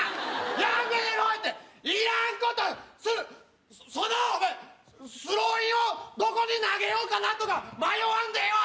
やめろていらんことそのそのお前スローインをどこに投げようかなとか迷わんでええわ